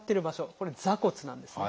これ「座骨」なんですね。